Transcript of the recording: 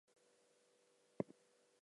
Penlan is a Communities First area.